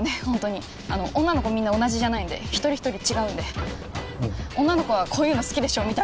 ホントに女の子みんな同じじゃないんで一人一人違うんで女の子はこういうの好きでしょ？